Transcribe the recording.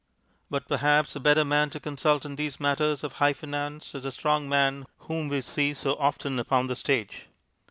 But perhaps a better man to consult in these matters of High Finance is the Strong Man whom we see so often upon the stage.